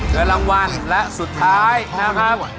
เงินรางวัลและสุดท้ายนะครับ